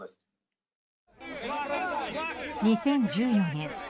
２０１４年。